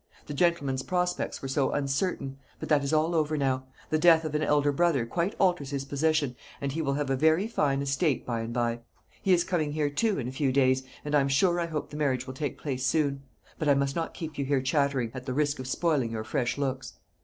The gentleman's prospects were so uncertain; but that is all over now. The death of an elder brother quite alters his position, and he will have a very fine estate by and by. He is coming here, too, in a few days, and I'm sure I hope the marriage will take place soon. But I must not keep you here chattering, at the risk of spoiling your fresh looks."